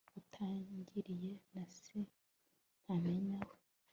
utaganiriye na se ntamenya